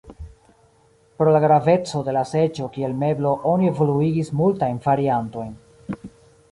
Pro la graveco de la seĝo kiel meblo oni evoluigis multajn variantojn.